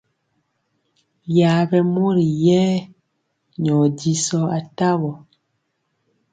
Yaɓɛ mori yɛ nyɔ jisɔ atawɔ.